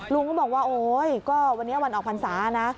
ลุงก็บอกว่าโอ๊ยก็วันนี้วันออกพรรษานะ